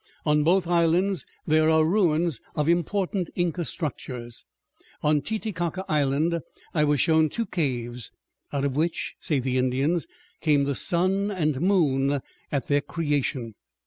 On both islands there are ruins of important Inca structures. On Titicaca Island I was shown two caves, out of which, say the Indians, came the sun and moon at their creation.